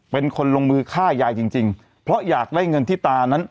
เป็นคนลงมือฆ่ายายจริงจริงเพราะอยากได้เงินที่ตานั้น